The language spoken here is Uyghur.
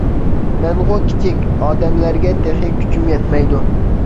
-مەنغۇ كىچىك، ئادەملەرگە تېخى كۈچۈم يەتمەيدۇ.